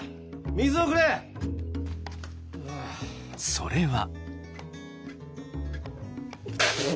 それは。